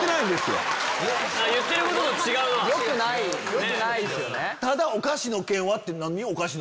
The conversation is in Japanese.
よくないですよね。